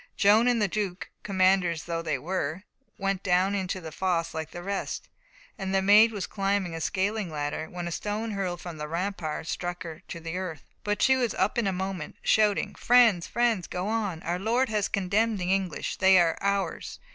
Joan and the Duke, commanders though they were, went down into the fosse like the rest, and the Maid was climbing a scaling ladder, when a stone hurled from the rampart struck her to the earth. But she was up in a moment, shouting: "Friends, friends, go on! Our Lord has condemned the English! They are ours!